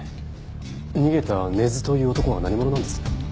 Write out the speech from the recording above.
逃げた根津という男は何者なんです？